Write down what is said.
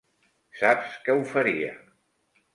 Saps que ho faria.